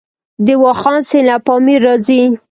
د واخان سیند له پامیر راځي